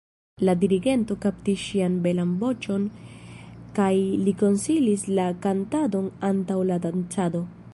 La dirigento kaptis ŝian belan voĉon kaj li konsilis la kantadon antaŭ la dancado.